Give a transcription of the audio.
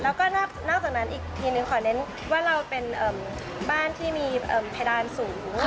แล้วก็นอกจากนั้นอีกทีนึงขอเน้นว่าเราเป็นบ้านที่มีเพดานสูง